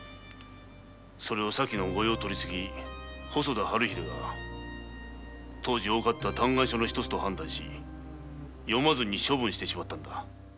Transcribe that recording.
先の御用取次の細田春英が当時多かった嘆願書の１つと判断し読まずに処分してしまったのだ。